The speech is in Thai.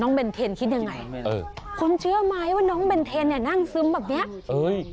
เบนเทนคิดยังไงเออคนเชื่อไหมว่าน้องเบนเทนเนี่ยนั่งซึมแบบเนี้ยเอ้ย